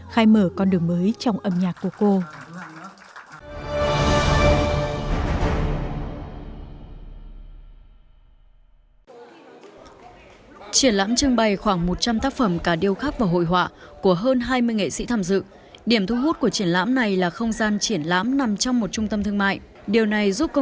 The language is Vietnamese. khai mở con đường mới trong âm nhạc của cô